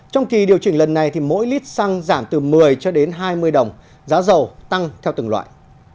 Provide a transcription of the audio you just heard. trong kỳ điều chỉnh lần này thì mỗi lít xăng giảm từ một mươi cho đến hai mươi đồng giá dầu tăng theo từng loại